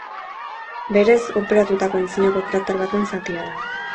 Berez, urperatutako antzinako krater baten zatia da.